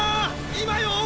今よ！